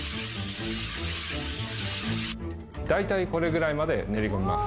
大体これぐらいまで練り込みます。